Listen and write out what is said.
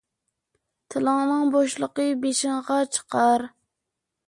تىلىڭنىڭ بوشلۇقى بېشىڭغا چىقار.